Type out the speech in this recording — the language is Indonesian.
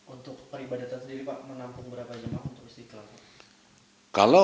untuk peribadatan sendiri pak menanggung berapa jamaah untuk masjid iskallal